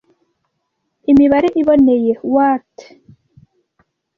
imibare iboneye waltz